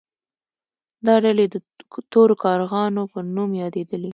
دا ډلې د تورو کارغانو په نوم یادیدلې.